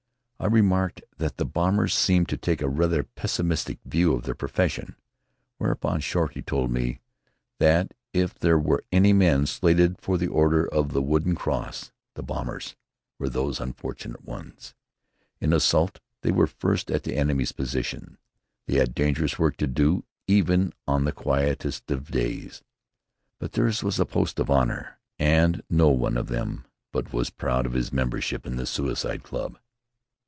I remarked that the bombers seemed to take rather a pessimistic view of their profession, whereupon Shorty told me that if there were any men slated for the Order of the Wooden Cross, the bombers were those unfortunate ones. In an assault they were first at the enemy's position. They had dangerous work to do even on the quietest of days. But theirs was a post of honor, and no one of them but was proud of his membership in the Suicide Club.